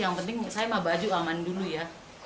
yang penting saya mau baju aman dulu ya